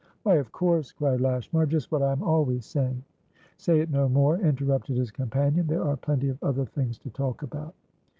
"Why, of course!" cried Lashmar. "Just what I am always saying." "Say it no more," interrupted his companion. "There are plenty of other things to talk about."